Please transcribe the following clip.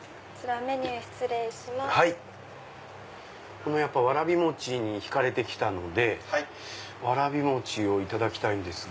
このわらび餅に引かれて来たのでわらび餅をいただきたいんですが。